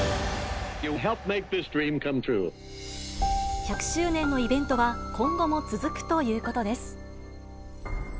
１００周年のイベントは、今後も続くということです。